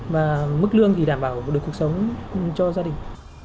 và mức lương thì đảm bảo được cuộc sống cho gia đình